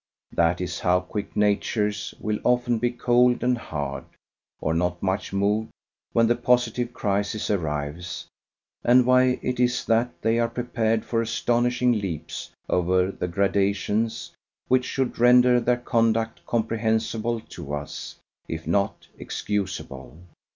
That is how quick natures will often be cold and hard, or not much moved, when the positive crisis arrives, and why it is that they are prepared for astonishing leaps over the gradations which should render their conduct comprehensible to us, if not excuseable.